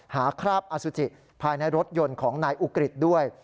คราบอสุจิภายในรถยนต์ของนายอุกฤษด้วย